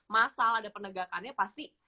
masalah dan penegakannya pasti